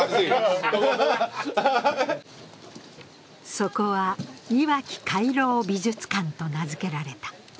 そこはいわき回廊美術館と名付けられた。